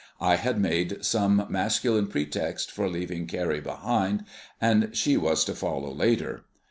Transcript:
I had made some masculine pretext for leaving Carrie behind, and she was to follow later.